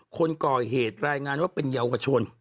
คนก่อเหตุรายงานว่าเป็นเยาวชน